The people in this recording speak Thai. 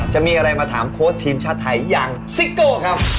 จะมีอะไรมาถามโค้ชทีมชาติไทยอย่างซิโก้ครับ